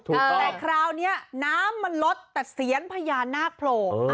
แต่คราวนี้น้ำมันลดแต่เสียนพญานาคโผล่